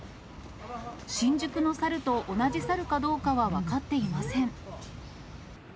新宿の猿と同じ猿かどうかは分かっていません。